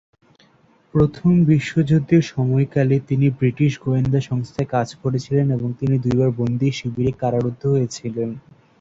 প্রথম বিশ্বযুদ্ধের সময়কালে তিনি ব্রিটিশ গোয়েন্দা সংস্থায় কাজ করেছিলেন এবং তিনি দুইবার বন্দি-শিবিরে কারারুদ্ধ হয়েছিলেন।